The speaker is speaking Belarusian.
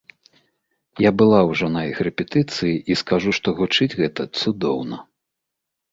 Я была ўжо на іх рэпетыцыі і скажу, што гучыць гэта цудоўна.